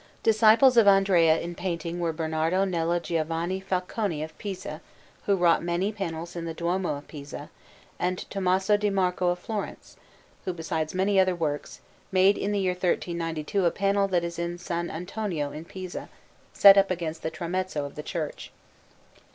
Disciples of Andrea in painting were Bernardo Nello di Giovanni Falconi of Pisa, who wrought many panels in the Duomo of Pisa, and Tommaso di Marco of Florence, who, besides many other works, made in the year 1392 a panel that is in S. Antonio in Pisa, set up against the tramezzo of the church.